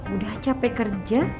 udah cape kerja